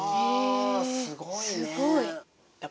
すごいね。